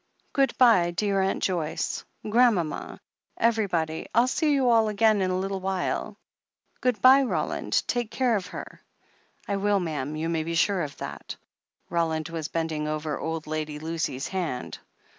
"Good bye, dear Aunt Joyce — Grandmama — every body — ril see you all again in a little while " "Good bye, Roland. Take care of her." "I will, ma'am — ^you may be sure of that." Roland was bending over old Lady Lucy's han4.